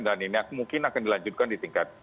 dan ini mungkin akan dilanjutkan di tingkat